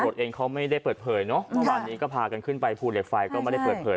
เองเขาไม่ได้เปิดเผยเนอะเมื่อวานนี้ก็พากันขึ้นไปภูเหล็กไฟก็ไม่ได้เปิดเผย